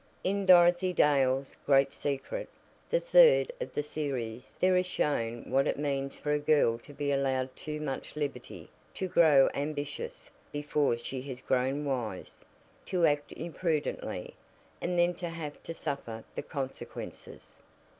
In "Dorothy Dale's Great Secret," the third of the series, there is shown what it means for a girl to be allowed too much liberty; to grow ambitious before she has grown wise; to act imprudently, and then to have to suffer the consequences.